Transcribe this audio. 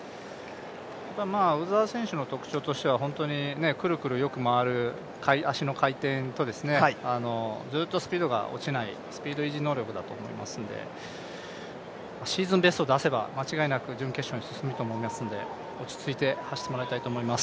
鵜澤選手の特徴としてはくるくるよく回る足の回転とずっとスピードが落ちないスピード維持能力だと思うのでシーズンベストを出せば、間違いなく準決勝に進むと思いますので落ち着いて走ってもらいたいと思います。